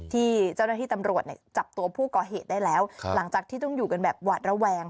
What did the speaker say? ที่เจ้าหน้าที่ตำรวจจับตัวผู้ก่อเหตุได้แล้วหลังจากที่ต้องอยู่กันแบบหวาดระแวง